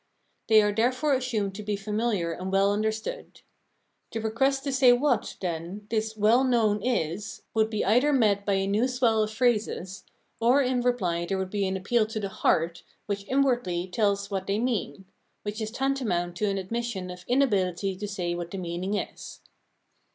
They are therefore assumed to be familiar and well understood. The request to say what, then, this " well known " is would be either met by a new swell of phrases, or in reply there would be an appeal to the " heart " which " inwardly " tells what they mean — which is tantamount to an admission of inability to say what the meaning is.